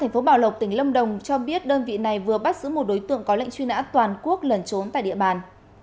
tp bảo lộc tỉnh lâm đồng cho biết đơn vị này vừa bắt giữ một đối tượng có lệnh truy nã toàn quốc lần trốn tại địa bàn